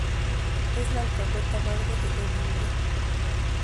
Es la alcahueta madre de Emilio.